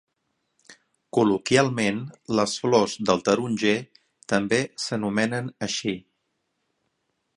Col·loquialment les flors del taronger també s'anomenen així.